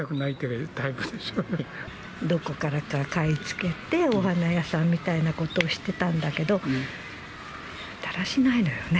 どこからか買いつけて、お花屋さんみたいなことをしてたんだけど、だらしないのよね。